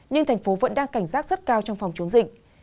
nhưng thành phố vẫn đang cảnh giác rất cao trong phòng chống dịch